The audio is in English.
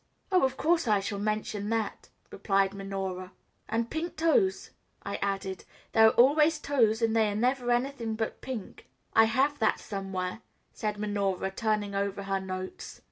"Oh, of course I shall mention that," replied Minora. "And pink toes," I added. "There are always toes, and they are never anything but pink." "I have that somewhere," said Minora, turning over her notes.